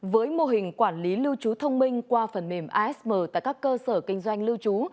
với mô hình quản lý lưu trú thông minh qua phần mềm asm tại các cơ sở kinh doanh lưu trú